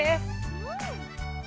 うん。